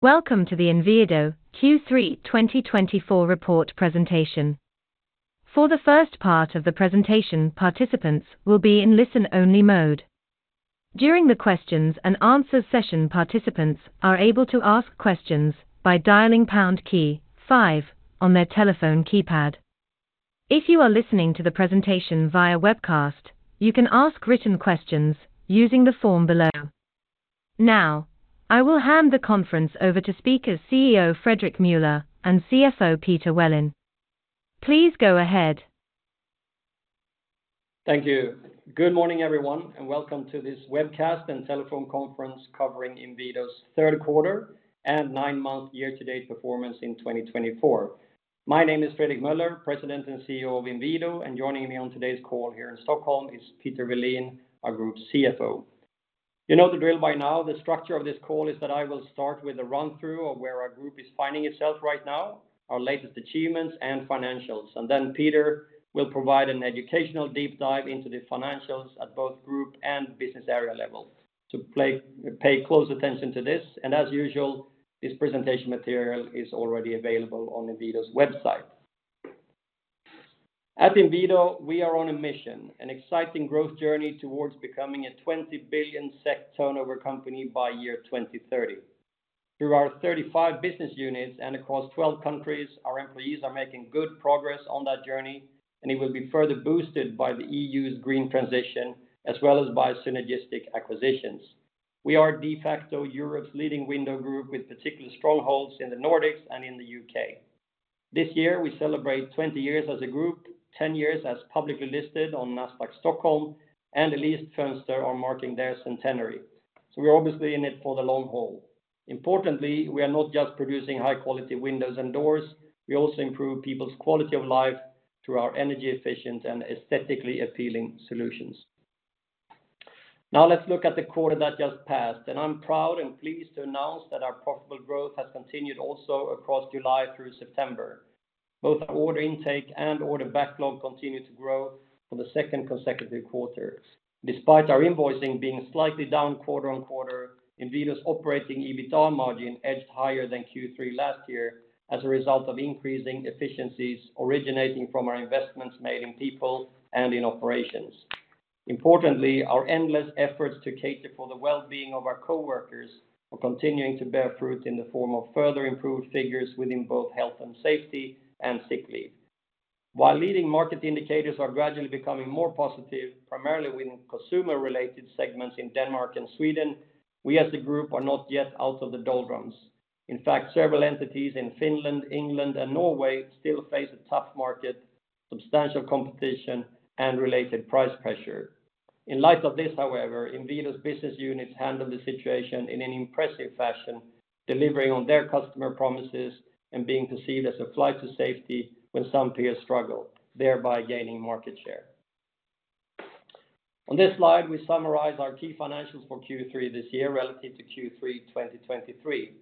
Welcome to the Inwido Q3 2024 report presentation. For the first part of the presentation, participants will be in listen-only mode. During the questions and answers session, participants are able to ask questions by dialing pound key five on their telephone keypad. If you are listening to the presentation via webcast, you can ask written questions using the form below. Now, I will hand the conference over to speakers, CEO Fredrik Meuller and CFO Peter Welin. Please go ahead. Thank you. Good morning, everyone, and welcome to this webcast and telephone conference covering Inwido's third quarter and nine-month year-to-date performance in 2024. My name is Fredrik Meuller, President and CEO of Inwido, and joining me on today's call here in Stockholm is Peter Welin, our Group CFO. You know the drill by now. The structure of this call is that I will start with a run-through of where our group is finding itself right now, our latest achievements, and financials, and then Peter will provide an educational deep dive into the financials at both group and business area level. So pay close attention to this, and as usual, this presentation material is already available on Inwido's website. At Inwido, we are on a mission, an exciting growth journey towards becoming a 20 billion SEK turnover company by year 2030. Through our thirty-five business units and across twelve countries, our employees are making good progress on that journey, and it will be further boosted by the EU's green transition, as well as by synergistic acquisitions. We are de facto Europe's leading window group, with particular strongholds in the Nordics and in the U.K. This year, we celebrate twenty years as a group, ten years as publicly listed on Nasdaq Stockholm, and Elitfönster are marking their centenary. So we're obviously in it for the long haul. Importantly, we are not just producing high-quality windows and doors, we also improve people's quality of life through our energy efficient and aesthetically appealing solutions. Now, let's look at the quarter that just passed, and I'm proud and pleased to announce that our profitable growth has continued also across July through September. Both our order intake and order backlog continued to grow for the second consecutive quarter. Despite our invoicing being slightly down quarter-on-quarter, Inwido's operating EBITA margin edged higher than Q3 last year as a result of increasing efficiencies originating from our investments made in people and in operations. Importantly, our endless efforts to cater for the well-being of our coworkers are continuing to bear fruit in the form of further improved figures within both health and safety and sick leave. While leading market indicators are gradually becoming more positive, primarily within consumer-related segments in Denmark and Sweden, we, as a group, are not yet out of the doldrums. In fact, several entities in Finland, England, and Norway still face a tough market, substantial competition, and related price pressure. In light of this, however, Inwido's business units handle the situation in an impressive fashion, delivering on their customer promises and being perceived as a flight to safety when some peers struggle, thereby gaining market share. On this slide, we summarize our key financials for Q3 this year relative to Q3 2023.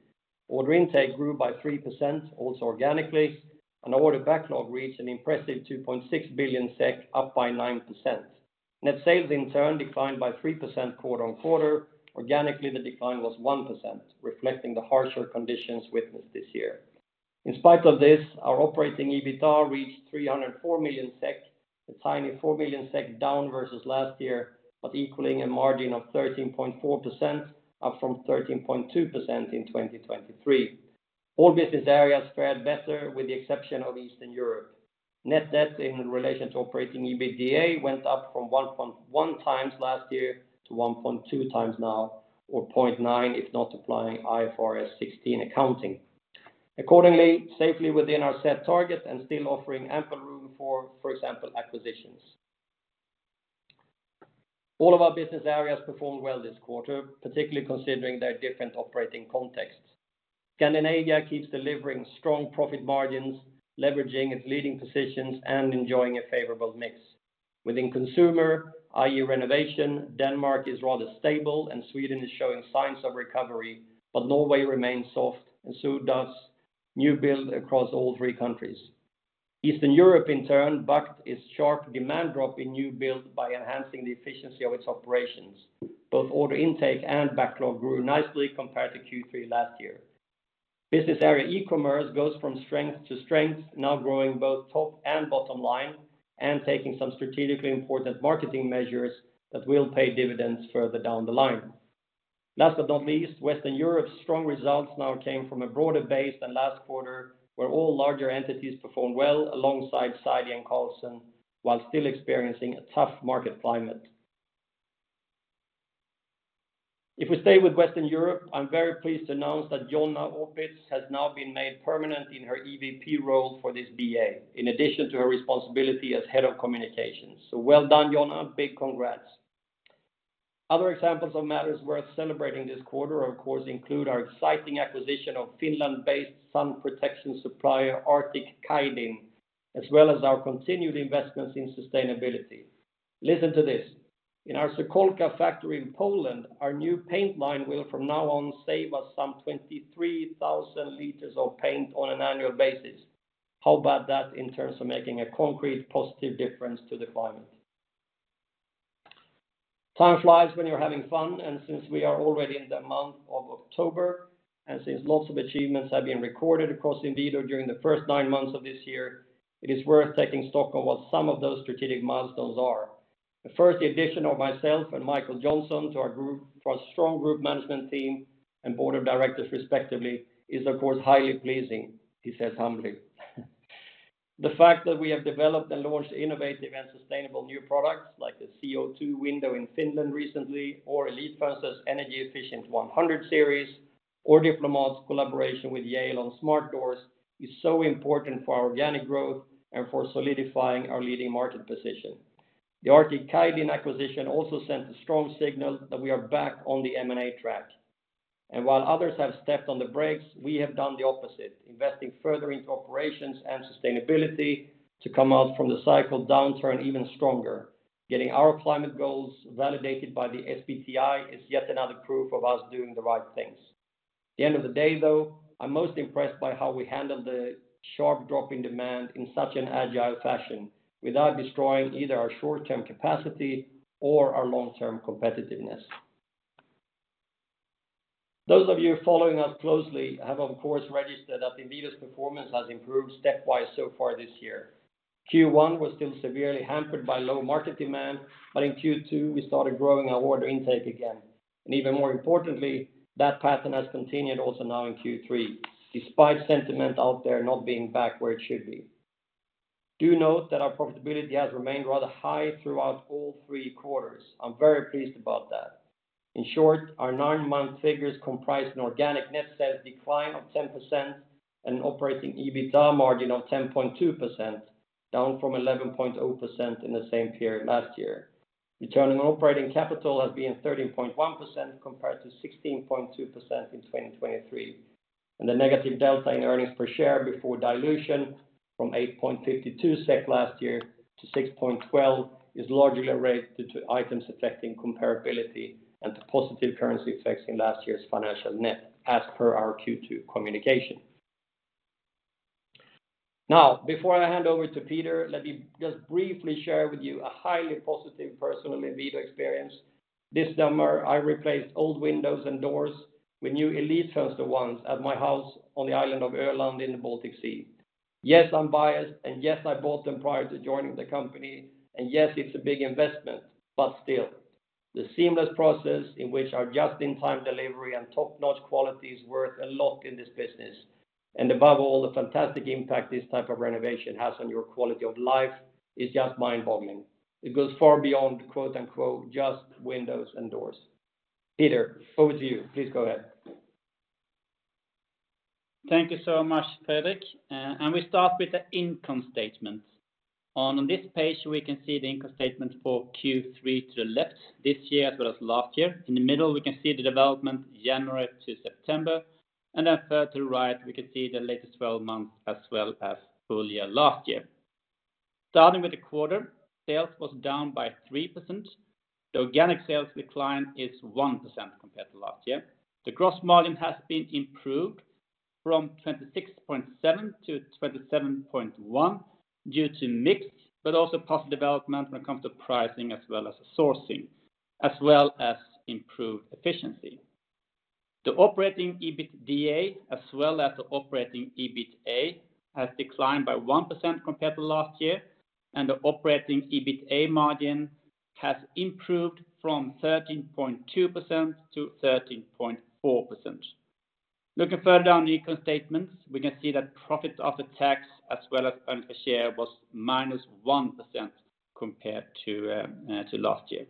Order intake grew by 3%, also organically, and order backlog reached an impressive 2.6 billion SEK, up by 9%. Net sales, in turn, declined by 3% quarter-on-quarter. Organically, the decline was 1%, reflecting the harsher conditions witnessed this year. In spite of this, our operating EBITA reached 304 million SEK, a tiny 4 million SEK down versus last year, but equaling a margin of 13.4%, up from 13.2% in 2023. All business areas fared better, with the exception of Eastern Europe. Net debt in relation to operating EBITDA went up from 1.1 times last year to 1.2 times now, or 0.9, if not applying IFRS 16 accounting. Accordingly, safely within our set target and still offering ample room for, for example, acquisitions. All of our business areas performed well this quarter, particularly considering their different operating contexts. Scandinavia keeps delivering strong profit margins, leveraging its leading positions and enjoying a favorable mix. Within consumer, i.e., renovation, Denmark is rather stable and Sweden is showing signs of recovery, but Norway remains soft and so does new build across all three countries. Eastern Europe, in turn, bucked its sharp demand drop in new build by enhancing the efficiency of its operations. Both order intake and backlog grew nicely compared to Q3 last year. Business area e-Commerce goes from strength to strength, now growing both top and bottom line and taking some strategically important marketing measures that will pay dividends further down the line. Last but not least, Western Europe's strong results now came from a broader base than last quarter, where all larger entities performed well alongside Sidey and Carlson, while still experiencing a tough market climate. If we stay with Western Europe, I'm very pleased to announce that Jonna Opitz has now been made permanent in her EVP role for this BA, in addition to her responsibility as Head of Communications. So well done, Jonna. Big congrats. Other examples of matters worth celebrating this quarter, of course, include our exciting acquisition of Finland-based sun protection supplier, Artic Kaihdin, as well as our continued investments in sustainability. Listen to this: in our Sokółka factory in Poland, our new paint line will from now on save us some twenty-three thousand liters of paint on an annual basis. How about that in terms of making a concrete, positive difference to the climate? Time flies when you're having fun, and since we are already in the month of October, and since lots of achievements have been recorded across Inwido during the first nine months of this year, it is worth taking stock of what some of those strategic milestones are. The first addition of myself and Mikael Jonson to our group, for our strong group management team and board of directors respectively, is, of course, highly pleasing. He says humbly. The fact that we have developed and launched innovative and sustainable new products, like the CO2 Window in Finland recently, or Elitfönster's energy efficient 100 series, or Diplomat's collaboration with Yale on smart doors, is so important for our organic growth and for solidifying our leading market position. The Artic Kaihdin acquisition also sent a strong signal that we are back on the M&A track. And while others have stepped on the brakes, we have done the opposite, investing further into operations and sustainability to come out from the cycle downturn even stronger. Getting our climate goals validated by the SBTi is yet another proof of us doing the right things. At the end of the day, though, I'm most impressed by how we handled the sharp drop in demand in such an agile fashion, without destroying either our short-term capacity or our long-term competitiveness. Those of you following us closely have, of course, registered that Inwido's performance has improved stepwise so far this year. Q1 was still severely hampered by low market demand, but in Q2, we started growing our order intake again, and even more importantly, that pattern has continued also now in Q3, despite sentiment out there not being back where it should be. Do note that our profitability has remained rather high throughout all three quarters. I'm very pleased about that. In short, our nine-month figures comprise an organic net sales decline of 10% and an operating EBITDA margin of 10.2%, down from 11.0% in the same period last year. Return on operating capital has been 13.1%, compared to 16.2% in 2023, and the negative delta in earnings per share before dilution from 8.52 SEK last year to 6.12 SEK is largely related to items affecting comparability and to positive currency effects in last year's financial net, as per our Q2 communication. Now, before I hand over to Peter, let me just briefly share with you a highly positive personal Inwido experience. This summer, I replaced old windows and doors with new Elitfönster ones at my house on the island of Öland in the Baltic Sea. Yes, I'm biased, and yes, I bought them prior to joining the company, and yes, it's a big investment, but still, the seamless process in which our just-in-time delivery and top-notch quality is worth a lot in this business. Above all, the fantastic impact this type of renovation has on your quality of life is just mind-boggling. It goes far beyond, quote-unquote, just windows and doors. Peter, over to you. Please go ahead. Thank you so much, Fredrik. And we start with the income statement. On this page, we can see the income statement for Q3 to the left, this year as well as last year. In the middle, we can see the development, January to September, and then further to the right, we can see the latest 12 months as well as full year last year. Starting with the quarter, sales was down by 3%. The organic sales decline is 1% compared to last year. The gross margin has been improved from 26.7 to 27.1, due to mix, but also positive development when it comes to pricing as well as sourcing, as well as improved efficiency. The operating EBITDA, as well as the operating EBITA, has declined by 1% compared to last year, and the operating EBITA margin has improved from 13.2% to 13.4%. Looking further down the income statements, we can see that profit after tax, as well as earnings per share, was -1% compared to last year.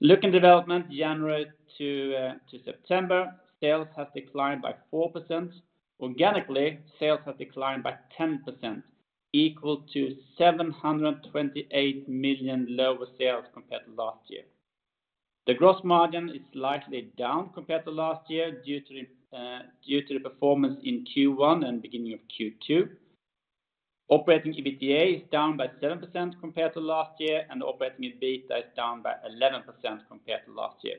Looking development, January to September, sales have declined by 4%. Organically, sales have declined by 10%, equal to 728 million lower sales compared to last year. The gross margin is likely down compared to last year, due to the performance in Q1 and beginning of Q2. Operating EBITDA is down by 7% compared to last year, and operating EBITDA is down by 11% compared to last year.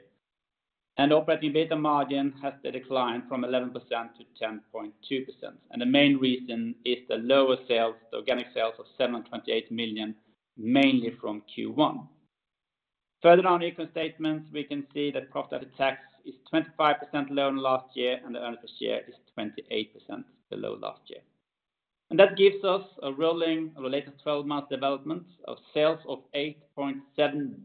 Operating EBITDA margin has declined from 11% to 10.2%. The main reason is the lower sales, the organic sales of 728 million, mainly from Q1. Further down the income statements, we can see that profit after tax is 25% lower than last year, and the earnings per share is 28% below last year. That gives us a rolling, a related 12-month development of sales of 8.7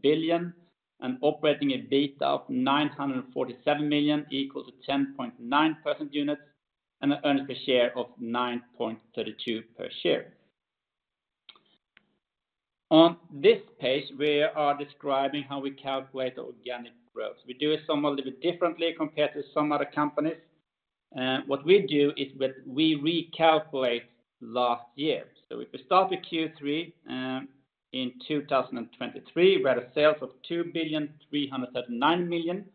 billion and operating EBITDA of 947 million, equal to 10.9% units, and an earnings per share of 9.32 per share. On this page, we are describing how we calculate the organic growth. We do it somewhat a little bit differently compared to some other companies. What we do is that we recalculate last year. If we start with Q3 in 2023, we had sales of 2,339 million,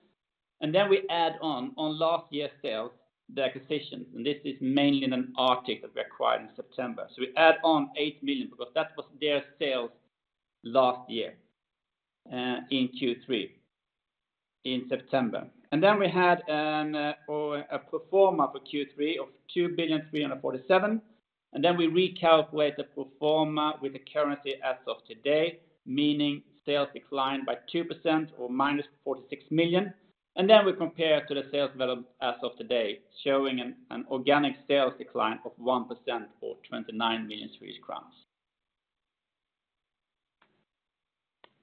and then we add on last year's sales, the acquisition, and this is mainly in Artic that we acquired in September. We add on 8 million, because that was their sales last year in Q3 in September. Then we had a pro forma for Q3 of 2,347 million, and then we recalculate the pro forma with the currency as of today, meaning sales declined by 2% or minus 46 million. Then we compare to the sales development as of today, showing an organic sales decline of 1% or 29 million Swedish crowns.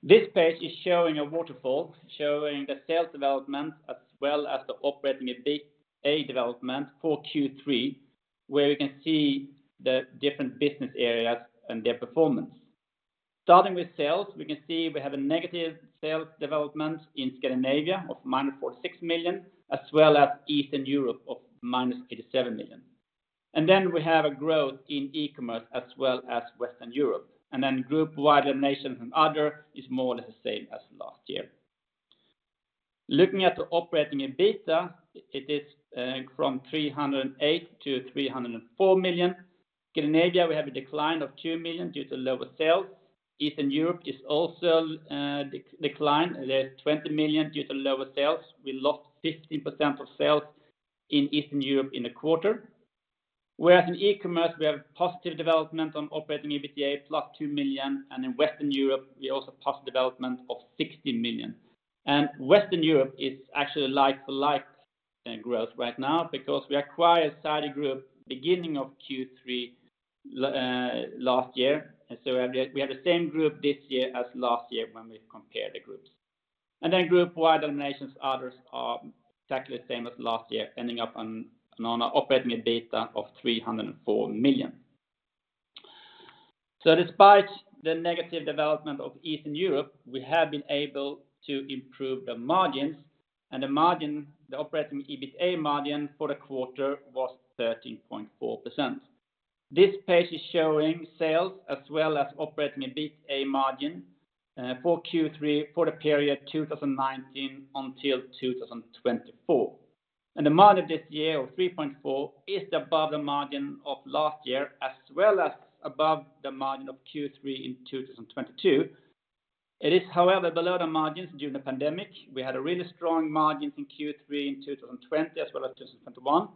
This page is showing a waterfall, showing the sales development as well as the operating EBITA development for Q3, where we can see the different business areas and their performance. Starting with sales, we can see we have a negative sales development in Scandinavia of -46 million, as well as Eastern Europe of -87 million. Then we have a growth in e-commerce as well as Western Europe, and then group-wide and other is more or less the same as last year. Looking at the operating EBITA, it is from 308 million to 304 million. Scandinavia, we have a decline of 2 million due to lower sales. Eastern Europe is also declined. There's 20 million due to lower sales. We lost 15% of sales in Eastern Europe in the quarter. Whereas in e-commerce, we have positive development on operating EBITA, plus 2 million, and in Western Europe, we also positive development of 60 million. And Western Europe is actually like for like in growth right now because we acquired Sidey Group beginning of Q3 last year, and so we have the same group this year as last year when we compare the groups. And then group-wide donations, others are exactly the same as last year, ending up on operating EBITA of 304 million. So despite the negative development of Eastern Europe, we have been able to improve the margins, and the margin, the operating EBITA margin for the quarter was 13.4%. This page is showing sales as well as operating EBITA margin for Q3, for the period 2019 until 2024. The margin this year, of 3.4%, is above the margin of last year, as well as above the margin of Q3 in 2022. It is, however, below the margins during the pandemic. We had a really strong margin in Q3 in 2020 as well as 2021.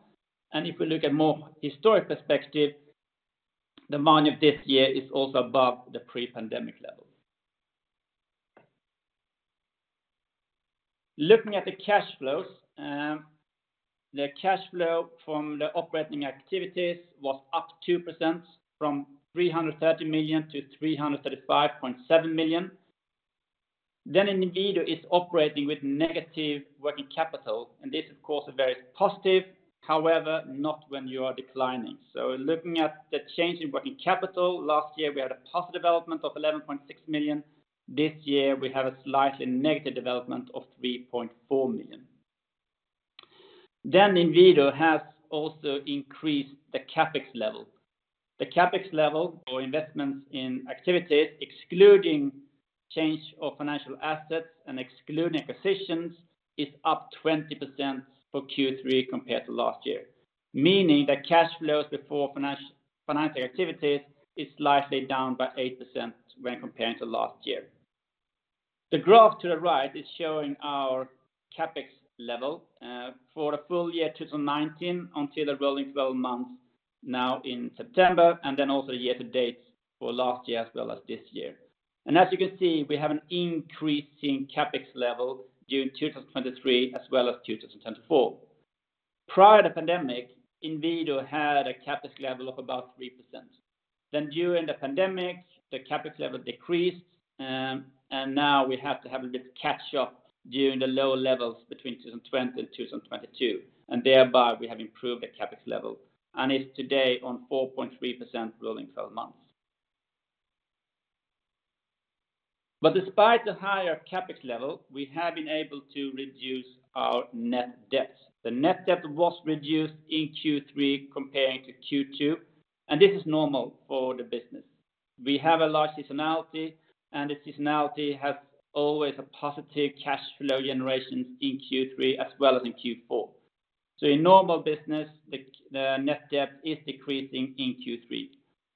If we look at more historic perspective, the margin of this year is also above the pre-pandemic level. Looking at the cash flows, the cash flow from the operating activities was up 2% from 330 million to 335.7 million. Then Inwido is operating with negative working capital, and this, of course, is very positive, however, not when you are declining. Looking at the change in working capital, last year, we had a positive development of 11.6 million. This year, we have a slightly negative development of 3.4 million. Inwido has also increased the CapEx level. The CapEx level or investments in activities, excluding change of financial assets and excluding acquisitions, is up 20% for Q3 compared to last year, meaning that cash flows before financial activities is slightly down by 8% when comparing to last year. The graph to the right is showing our CapEx level for the full year 2019 until the rolling twelve months now in September, and then also year to date for last year as well as this year. As you can see, we have an increasing CapEx level during 2023 as well as 2024. Prior to the pandemic, Inwido had a CapEx level of about 3%. Then during the pandemic, the CapEx level decreased, and now we have to have a bit of catch up during the lower levels between 2020 and 2022, and thereby we have improved the CapEx level, and it's today on 4.3% rolling twelve months. But despite the higher CapEx level, we have been able to reduce our net debt. The net debt was reduced in Q3 comparing to Q2, and this is normal for the business. We have a large seasonality, and the seasonality has always a positive cash flow generation in Q3 as well as in Q4. So in normal business, the net debt is decreasing in Q3.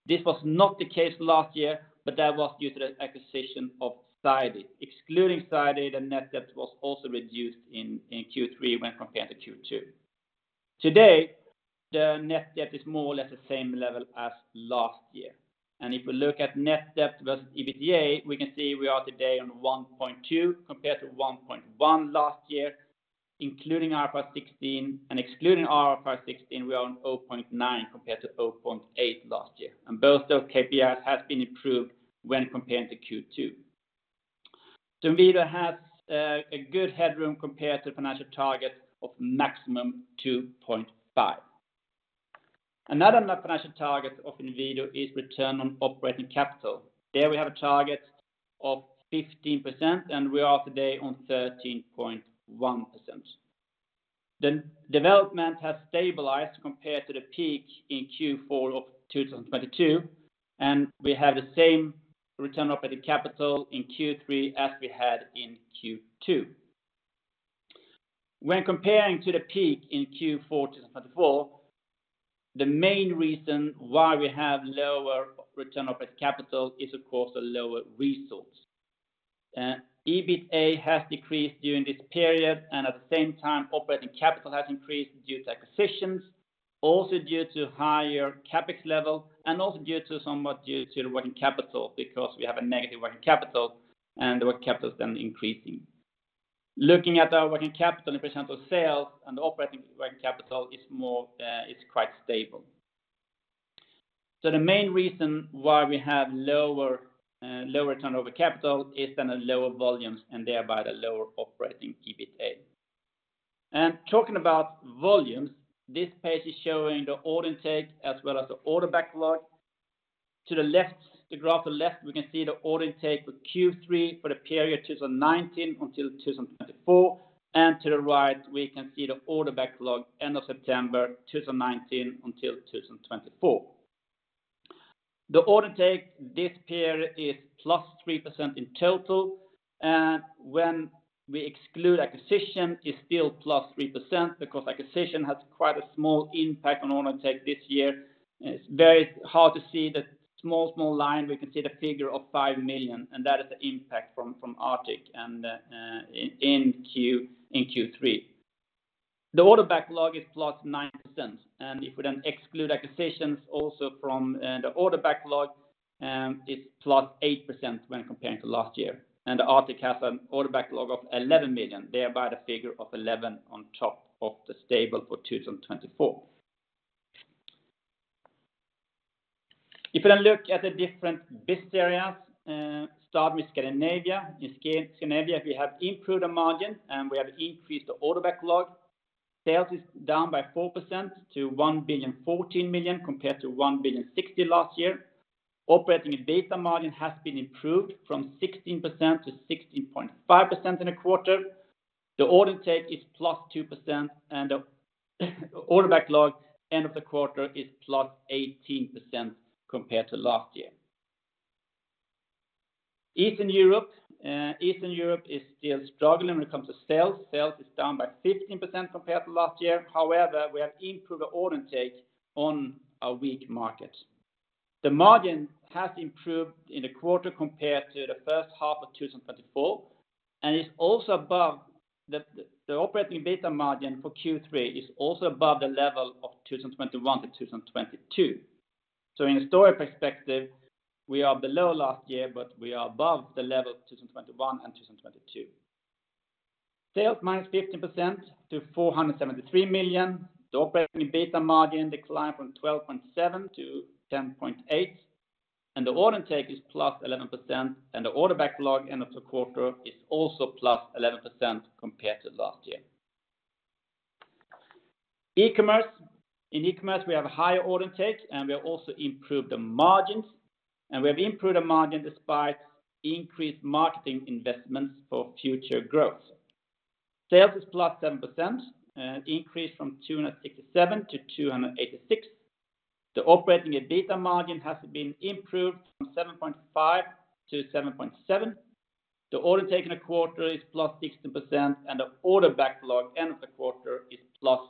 This was not the case last year, but that was due to the acquisition of Sidey. Excluding Sidey, the net debt was also reduced in Q3 when compared to Q2. Today, the net debt is more or less the same level as last year. And if we look at net debt versus EBITA, we can see we are today on 1.2 compared to 1.1 last year, including IFRS 16. And excluding IFRS 16, we are on 0.9 compared to 0.8 last year. And both those KPIs has been improved when comparing to Q2. So Inwido has a good headroom compared to financial targets of maximum 2.5. Another financial target of Inwido is return on operating capital. There, we have a target of 15%, and we are today on 13.1%. The development has stabilized compared to the peak in Q4 of 2022, and we have the same return operating capital in Q3 as we had in Q2. When comparing to the peak in Q4 2024. The main reason why we have lower return on operating capital is, of course, the lower resource. EBITDA has decreased during this period, and at the same time, operating capital has increased due to acquisitions, also due to higher CapEx level, and also somewhat due to the working capital, because we have a negative working capital, and the working capital is then increasing. Looking at our working capital in percentage of sales, the operating working capital is quite stable. The main reason why we have lower return over capital is the lower volumes, and thereby the lower operating EBITDA. Talking about volumes, this page is showing the order intake as well as the order backlog. To the left, the graph to the left, we can see the order intake for Q3 for the period 2019 until 2024, and to the right, we can see the order backlog end of September 2019 until 2024. The order intake this period is +3% in total, and when we exclude acquisition, it's still +3%, because acquisition has quite a small impact on order intake this year. It's very hard to see the small line. We can see the figure of 5 million, and that is the impact from Artic in Q3. The order backlog is +9%, and if we then exclude acquisitions also from the order backlog, it's +8% when comparing to last year, and Artic has an order backlog of 11 million, thereby the figure of 11 on top of the stable for 2024. If you then look at the different business areas, start with Scandinavia. In Scandinavia, we have improved the margin, and we have increased the order backlog. Sales is down by 4% to 1.014 billion, compared to 1.06 billion last year. Operating EBITDA margin has been improved from 16%-16.5% in a quarter. The order intake is +2%, and the order backlog end of the quarter is +18% compared to last year. Eastern Europe is still struggling when it comes to sales. Sales is down by 15% compared to last year. However, we have improved the order intake on a weak market. The margin has improved in the quarter compared to the first half of 2024, and the operating EBITDA margin for Q3 is also above the level of 2021 to 2022. In a story perspective, we are below last year, but we are above the level of 2021 and 2022. Sales minus 15% to 473 million. The operating EBITDA margin declined from 12.7% to 10.8%, and the order intake is +11%, and the order backlog end of the quarter is also +11% compared to last year. E-commerce. In e-commerce, we have a higher order intake, and we have also improved the margins, and we have improved the margin despite increased marketing investments for future growth. Sales is +7%, increase from 267 million to 286 million. The operating EBITDA margin has been improved from 7.5% to 7.7%. The order intake in a quarter is +16%, and the order backlog end of the quarter is +5%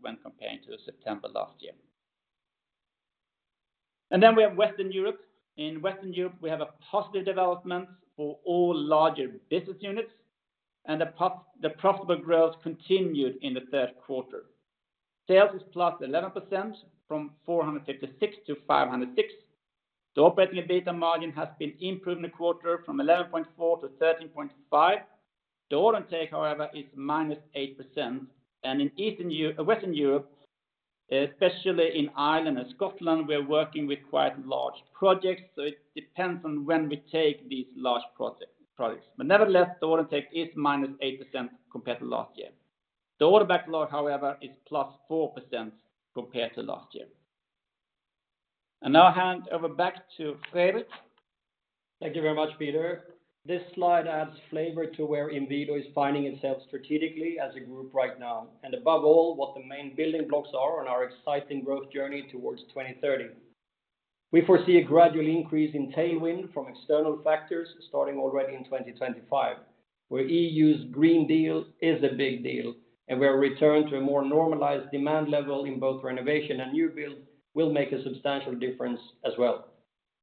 when comparing to September last year. Then we have Western Europe. In Western Europe, we have a positive development for all larger business units, and the profitable growth continued in the third quarter. Sales is +11%, from 456 to 506. The operating EBITDA margin has been improved in the quarter from 11.4% to 13.5%. The order intake, however, is -8%, and in Western Europe, especially in Ireland and Scotland, we are working with quite large projects, so it depends on when we take these large projects. But nevertheless, the order intake is -8% compared to last year. The order backlog, however, is +4% compared to last year. I now hand over back to Fredrik. Thank you very much, Peter. This slide adds flavor to where Inwido is finding itself strategically as a group right now, and above all, what the main building blocks are on our exciting growth journey towards 2030. We foresee a gradual increase in tailwind from external factors, starting already in 2025, where EU Green Deal is a big deal, and we are returned to a more normalized demand level in both renovation and new build, will make a substantial difference as well.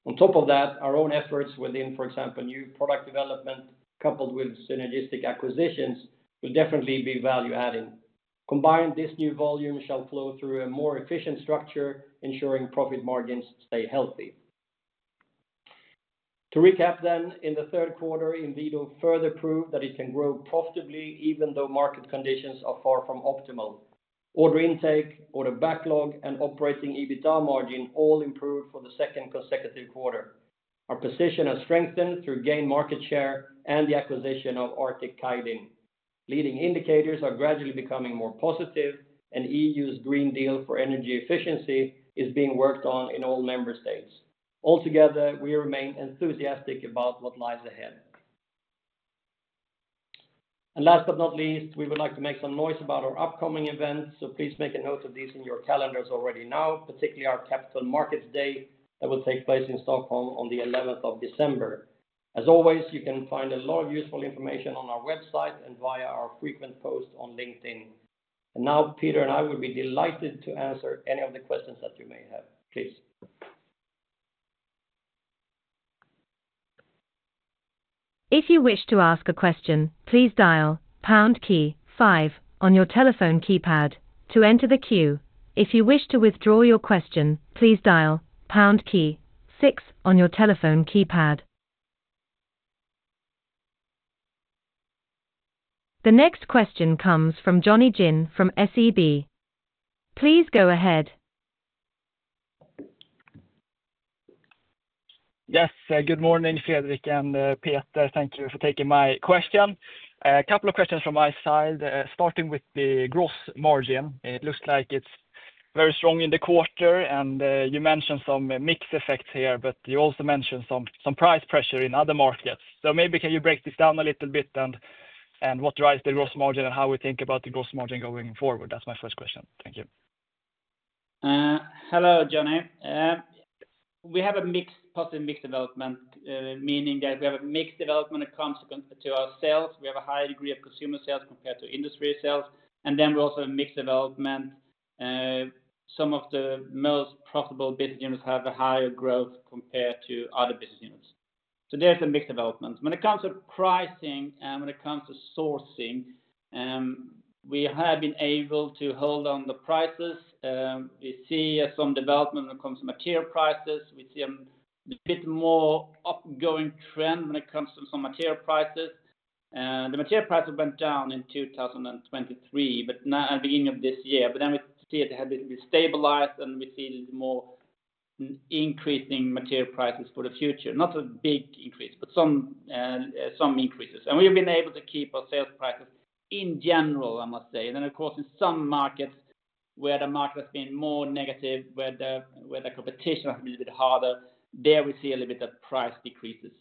On top of that, our own efforts within, for example, new product development coupled with synergistic acquisitions, will definitely be value-adding. Combined, this new volume shall flow through a more efficient structure, ensuring profit margins stay healthy. To recap then, in the third quarter, Inwido further proved that it can grow profitably, even though market conditions are far from optimal. Order intake, order backlog, and operating EBITDA margin all improved for the second consecutive quarter. Our position has strengthened through gaining market share and the acquisition of Artic Kaihdin. Leading indicators are gradually becoming more positive, and EU Green Deal for energy efficiency is being worked on in all member states. Altogether, we remain enthusiastic about what lies ahead. And last but not least, we would like to make some noise about our upcoming events, so please make a note of these in your calendars already now, particularly our Capital Markets Day that will take place in Stockholm on the eleventh of December. As always, you can find a lot of useful information on our website and via our frequent posts on LinkedIn. And now, Peter and I would be delighted to answer any of the questions that you may have. Please. If you wish to ask a question, please dial pound key five on your telephone keypad to enter the queue. If you wish to withdraw your question, please dial pound key six on your telephone keypad. The next question comes from Johnny Jin from SEB. Please go ahead. Yes, good morning, Fredrik and Peter. Thank you for taking my question. A couple of questions from my side, starting with the gross margin. It looks like it's very strong in the quarter, and you mentioned some mix effects here, but you also mentioned some price pressure in other markets. So maybe can you break this down a little bit, and what drives the gross margin and how we think about the gross margin going forward? That's my first question. Thank you. Hello, Johnny. We have a mixed, positive mixed development, meaning that we have a mixed development when it comes to our sales. We have a high degree of consumer sales compared to industry sales, and then we also have mixed development. Some of the most profitable business units have a higher growth compared to other business units. So there's a mixed development. When it comes to pricing, and when it comes to sourcing, we have been able to hold on the prices. We see some development when it comes to material prices. We see a bit more upgoing trend when it comes to some material prices. The material prices went down in 2023, but now at the beginning of this year. But then we see it had been stabilized, and we see more increasing material prices for the future. Not a big increase, but some increases, and we've been able to keep our sales prices in general, I must say, then of course in some markets where the market has been more negative, where the competition has been a bit harder, there we see a little bit of price decreases,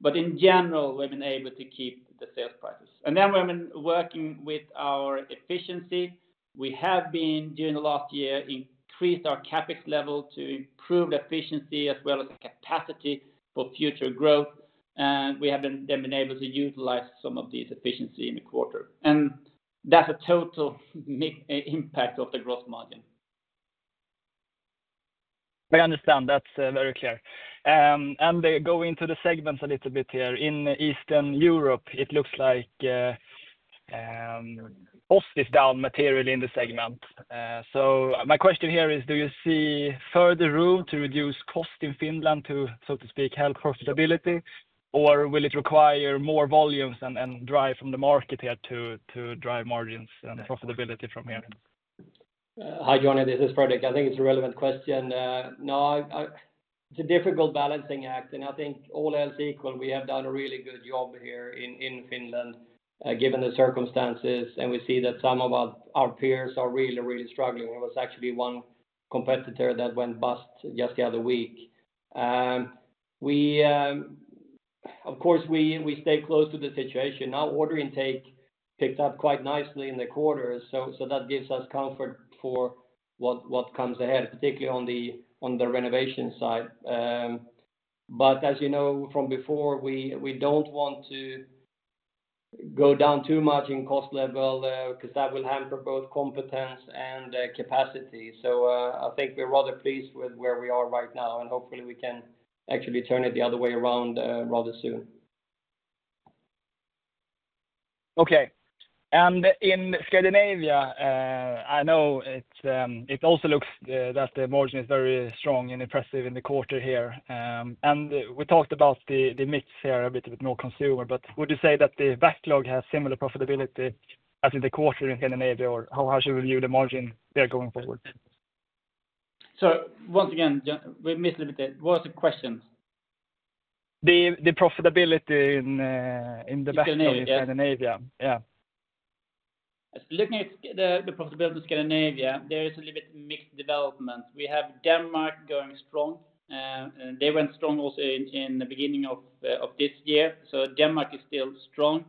but in general we've been able to keep the sales prices, and then we've been working with our efficiency. We have been, during the last year, increased our CapEx level to improve the efficiency as well as the capacity for future growth, and we have been able to utilize some of this efficiency in the quarter, and that's a total mix impact of the growth margin. I understand. That's very clear. And going into the segments a little bit here. In Eastern Europe, it looks like cost is down materially in the segment. So my question here is, do you see further room to reduce cost in Finland to, so to speak, help profitability? Or will it require more volumes and drive from the market here to drive margins and profitability from here? Hi, Johnny, this is Fredrik. I think it's a relevant question. No, it's a difficult balancing act, and I think all else equal, we have done a really good job here in Finland, given the circumstances, and we see that some of our peers are really struggling. There was actually one competitor that went bust just the other week. Of course, we stay close to the situation. Our order intake picked up quite nicely in the quarter, so that gives us comfort for what comes ahead, particularly on the renovation side. But as you know from before, we don't want to go down too much in cost level, because that will hamper both competence and capacity. I think we're rather pleased with where we are right now, and hopefully, we can actually turn it the other way around, rather soon. Okay. And in Scandinavia, I know it's, it also looks that the margin is very strong and impressive in the quarter here. And we talked about the mix here, a bit with more consumer, but would you say that the backlog has similar profitability as in the quarter in Scandinavia, or how should we view the margin there going forward? So once again, Johnny, we missed a little bit. What was the question? The profitability in the backlog- Scandinavia? in Scandinavia. Yeah. Looking at the profitability in Scandinavia, there is a little bit mixed development. We have Denmark going strong. They went strong also in the beginning of this year, so Denmark is still strong.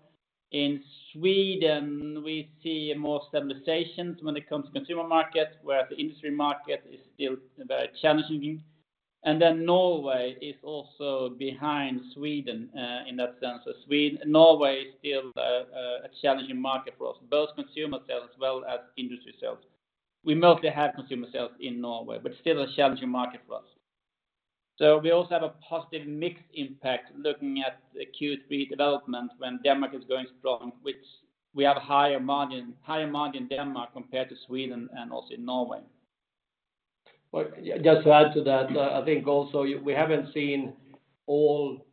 In Sweden, we see more stabilizations when it comes to consumer market, where the industry market is still very challenging. Then Norway is also behind Sweden in that sense, so Norway is still a challenging market for us, both consumer sales as well as industry sales. We mostly have consumer sales in Norway, but still a challenging market for us, so we also have a positive mixed impact looking at the Q3 development when Denmark is going strong, which we have a higher margin in Denmark compared to Sweden and also in Norway. Just to add to that, I think also we haven't seen all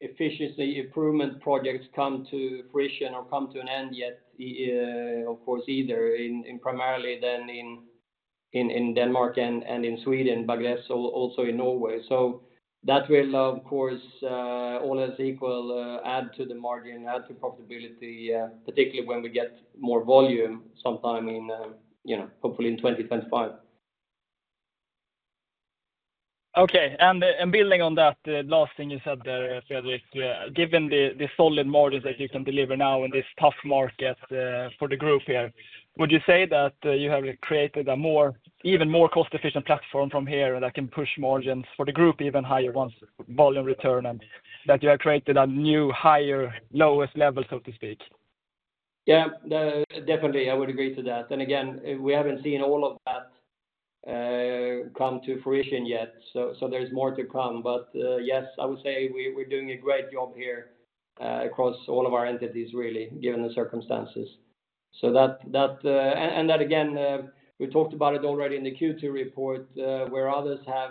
efficiency improvement projects come to fruition or come to an end yet, of course, either, primarily in Denmark and in Sweden, but less so also in Norway. So that will, of course, all else equal, add to the margin, add to profitability, particularly when we get more volume sometime in, you know, hopefully in 2025. Okay. And building on that, the last thing you said there, Fredrik, given the solid margins that you can deliver now in this tough market, for the group here, would you say that you have created a more, even more cost-efficient platform from here that can push margins for the group even higher once volume return, and that you have created a new, higher, lowest level, so to speak? Yeah, no, definitely I would agree to that. And again, we haven't seen all of that come to fruition yet, so there's more to come. But yes, I would say we're doing a great job here across all of our entities, really, given the circumstances. So that and that again we talked about it already in the Q2 report, where others have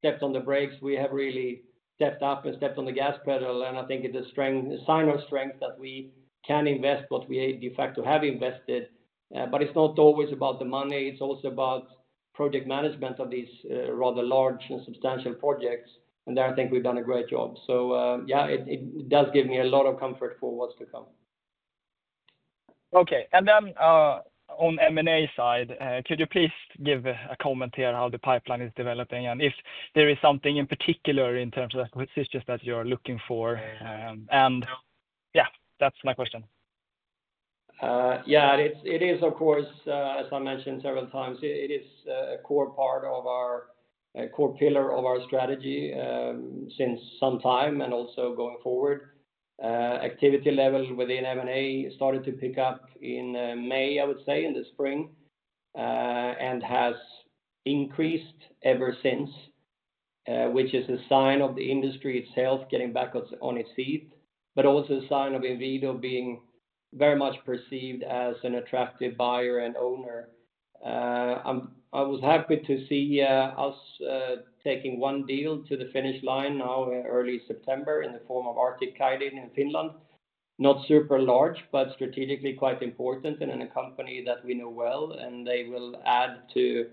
stepped on the brakes, we have really stepped up and stepped on the gas pedal, and I think it's a sign of strength that we can invest, but we de facto have invested. But it's not always about the money, it's also about project management of these rather large and substantial projects, and there, I think we've done a great job. Yeah, it does give me a lot of comfort for what's to come. Okay. And then, on M&A side, could you please give a comment here how the pipeline is developing, and if there is something in particular in terms of acquisitions that you're looking for? And yeah, that's my question. Yeah, it is of course, as I mentioned several times, it is a core part of our, a core pillar of our strategy, since some time, and also going forward. Activity level within M&A started to pick up in May, I would say, in the spring, and has increased ever since, which is a sign of the industry itself getting back on its feet, but also a sign of Inwido being very much perceived as an attractive buyer and owner. I was happy to see us taking one deal to the finish line now in early September, in the form of Artic Kaihdin in Finland. Not super large, but strategically quite important, and in a company that we know well, and they will add to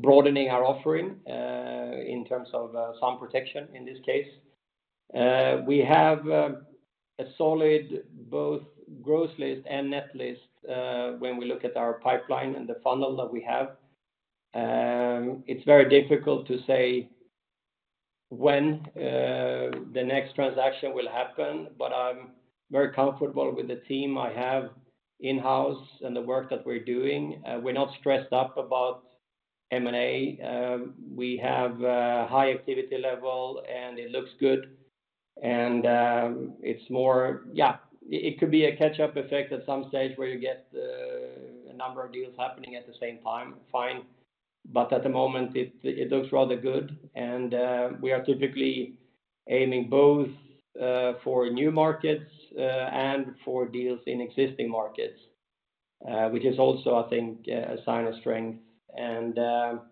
broadening our offering in terms of some protection in this case. We have a solid both growth list and net list when we look at our pipeline and the funnel that we have. It's very difficult to say when the next transaction will happen, but I'm very comfortable with the team I have in-house and the work that we're doing. We're not stressed up about M&A. We have a high activity level, and it looks good, and it's more. Yeah, it could be a catch-up effect at some stage where you get a number of deals happening at the same time, fine, but at the moment, it looks rather good. We are typically aiming both for new markets and for deals in existing markets, which is also, I think, a sign of strength. It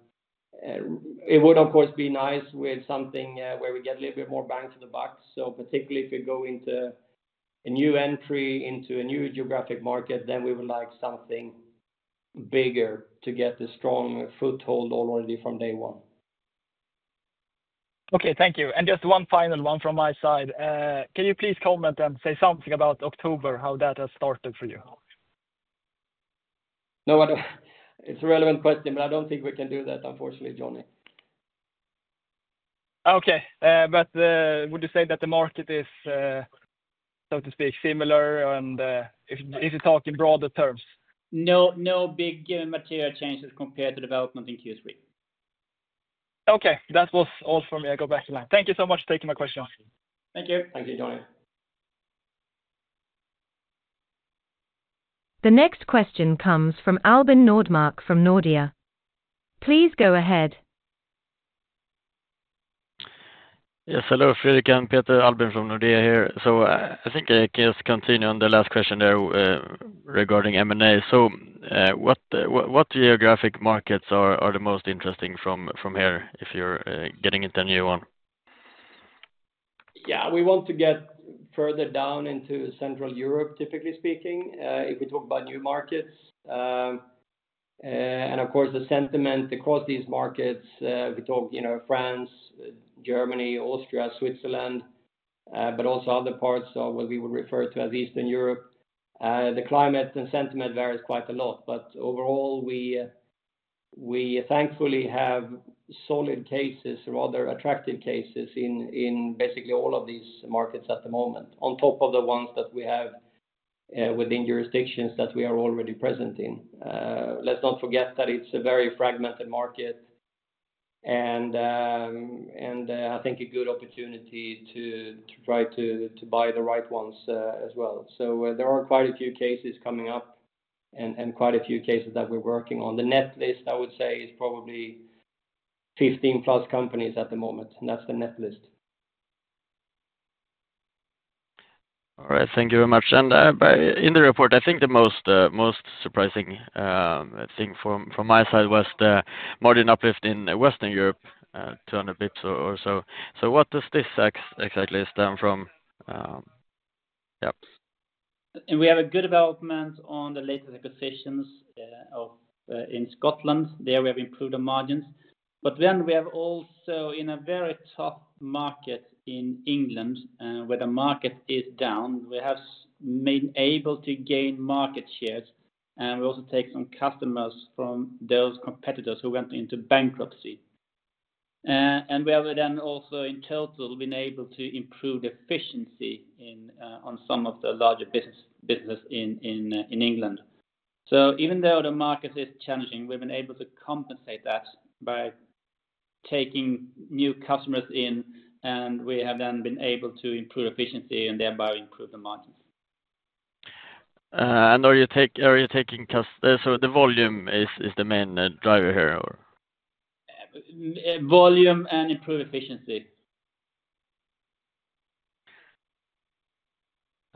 would, of course, be nice with something where we get a little bit more bang for the buck. Particularly if we go into a new entry, into a new geographic market, then we would like something bigger to get a strong foothold already from day one. Okay, thank you. And just one final one from my side. Can you please comment and say something about October, how that has started for you? No, what, it's a relevant question, but I don't think we can do that, unfortunately, Johnny. Okay. But would you say that the market is, so to speak, similar, and if you talk in broader terms? No, no big material changes compared to development in Q3. Okay, that was all for me. I go back to line. Thank you so much for taking my question. Thank you. Thank you, Johnny. The next question comes from Albin Nordmark, from Nordea. Please go ahead. Yes, hello, Fredrik and Peter, Albin from Nordea here. So, I think I can just continue on the last question there, regarding M&A. So, what geographic markets are the most interesting from here, if you're getting into a new one? Yeah, we want to get further down into Central Europe, typically speaking, if we talk about new markets, and of course, the sentiment across these markets, we talk, you know, France, Germany, Austria, Switzerland, but also other parts of what we would refer to as Eastern Europe. The climate and sentiment varies quite a lot, but overall, we thankfully have solid cases, rather attractive cases, in basically all of these markets at the moment, on top of the ones that we have within jurisdictions that we are already present in. Let's not forget that it's a very fragmented market, and I think a good opportunity to try to buy the right ones, as well. So there are quite a few cases coming up and quite a few cases that we're working on. The net list, I would say, is probably 15+ companies at the moment, and that's the net list. All right. Thank you very much. But in the report, I think the most surprising, I think from my side, was the margin uplift in Western Europe, 200 basis points or so. So what does this exactly stem from? Yep. We have a good development on the latest acquisitions in Scotland. There, we have improved the margins. But then we have also, in a very tough market in England, where the market is down, we have been able to gain market shares, and we also take some customers from those competitors who went into bankruptcy. And we have then also in total been able to improve efficiency on some of the larger businesses in England. So even though the market is challenging, we've been able to compensate that by taking new customers in, and we have then been able to improve efficiency and thereby improve the margins. Are you taking cust, so the volume is the main driver here? Volume and improved efficiency.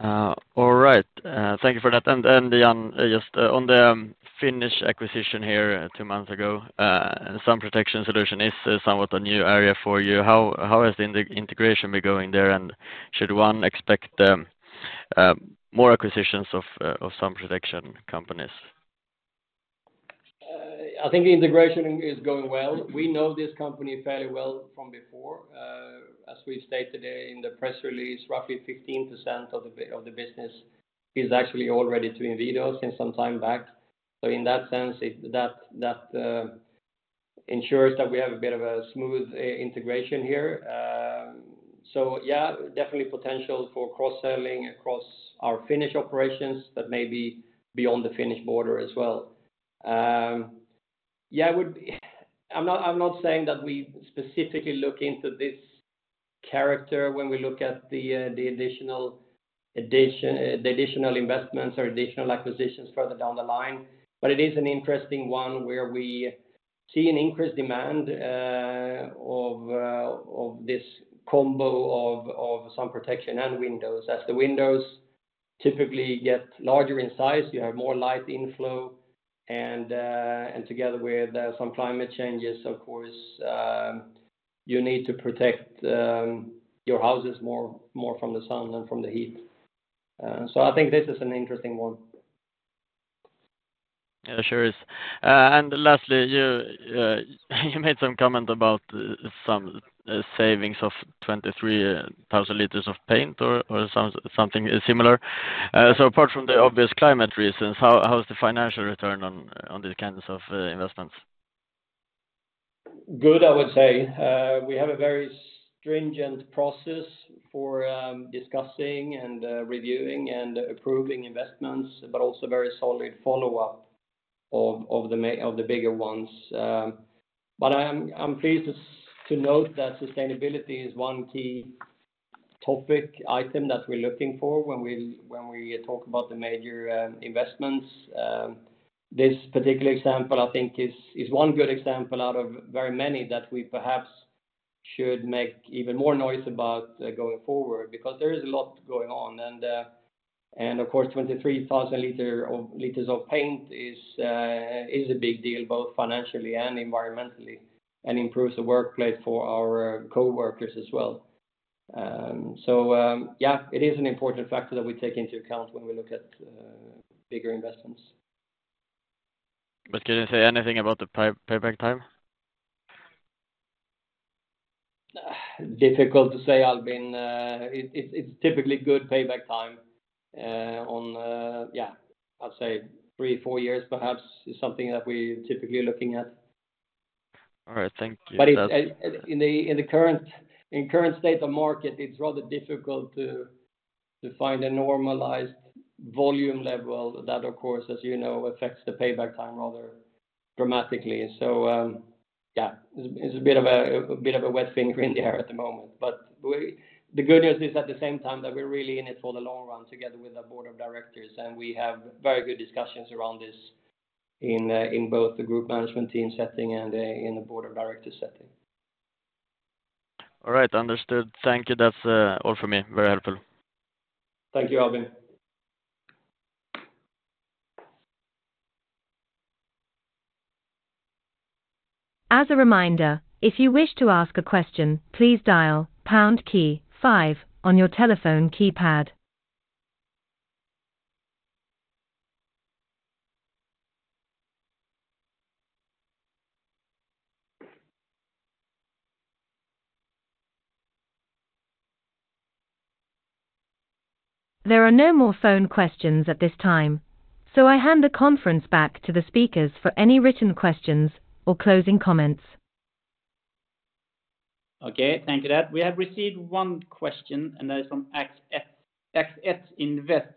All right. Thank you for that. And Jan, just on the Finnish acquisition here two months ago, sun protection solution is somewhat a new area for you. How has the integration been going there, and should one expect more acquisitions of sun protection companies? I think the integration is going well. We know this company fairly well from before. As we stated in the press release, roughly 15% of the business is actually already to Inwido since some time back. So in that sense, it ensures that we have a bit of a smooth integration here. So yeah, definitely potential for cross-selling across our Finnish operations, but maybe beyond the Finnish border as well. Yeah, I'm not saying that we specifically look into this character when we look at the additional investments or additional acquisitions further down the line, but it is an interesting one where we see an increased demand of this combo of sun protection and windows. As the windows typically get larger in size, you have more light inflow, and together with some climate changes, of course, you need to protect your houses more from the sun than from the heat. So I think this is an interesting one. Yeah, sure is. And lastly, you made some comment about some savings of twenty-three thousand liters of paint or something similar. So apart from the obvious climate reasons, how is the financial return on these kinds of investments? Good, I would say. We have a very stringent process for discussing and reviewing and approving investments, but also very solid follow-up of the bigger ones, but I'm pleased to note that sustainability is one key topic item that we're looking for when we talk about the major investments. This particular example, I think is one good example out of very many that we perhaps should make even more noise about going forward, because there is a lot going on, and of course, twenty-three thousand liters of paint is a big deal, both financially and environmentally, and improves the workplace for our coworkers as well, so yeah, it is an important factor that we take into account when we look at bigger investments. But can you say anything about the payback time? Difficult to say, Albin. It's typically good payback time. I'd say three, four years perhaps is something that we're typically looking at. All right. Thank you. But in the current state of market, it's rather difficult to find a normalized volume level. That, of course, as you know, affects the payback time rather dramatically. So, yeah, it's a bit of a wet finger in the air at the moment. But the good news is, at the same time, that we're really in it for the long run, together with our board of directors, and we have very good discussions around this in both the group management team setting and in the board of directors setting. All right. Understood. Thank you. That's all for me. Very helpful. Thank you, Albin. As a reminder, if you wish to ask a question, please dial pound key five on your telephone keypad. There are no more phone questions at this time, so I hand the conference back to the speakers for any written questions or closing comments. Okay, thank you for that. We have received one question, and that is from XF Invest,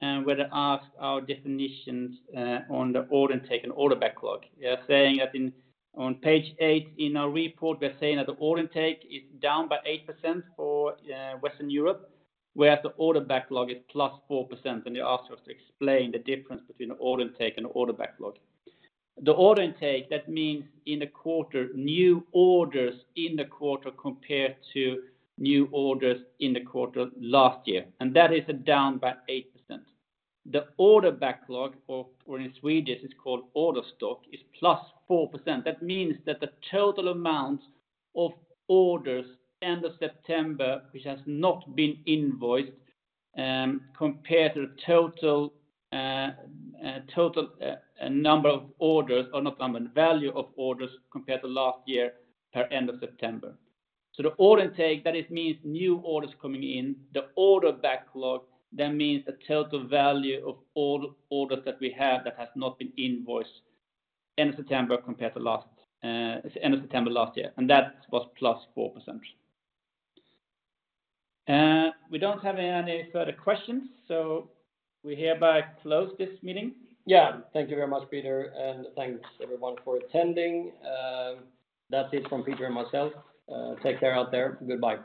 and where they ask our definitions on the order intake and order backlog. They are saying that in, on page eight in our report, we're saying that the order intake is down by 8% for Western Europe, whereas the order backlog is +4%, and they ask us to explain the difference between order intake and order backlog. The order intake, that means in the quarter, new orders in the quarter compared to new orders in the quarter last year, and that is down by 8%. The order backlog, or in Swedish, it's called order stock, is +4%. That means that the total amount of orders end of September, which has not been invoiced, compared to the total total number of orders, or not number, value of orders compared to last year per end of September. So the order intake, that it means new orders coming in. The order backlog, that means the total value of all orders that we have that has not been invoiced end of September compared to last end of September last year, and that was +4%. We don't have any further questions, so we hereby close this meeting. Yeah. Thank you very much, Peter, and thanks everyone for attending. That's it from Peter and myself. Take care out there. Goodbye.